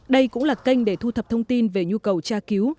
đây cũng là kênh để thu thập thông tin về nhu cầu tra cứu